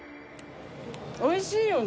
おいしいよね。